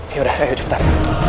yaudah ayo cepetan